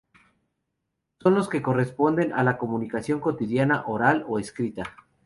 Son los que corresponden a la comunicación cotidiana, oral o escrita.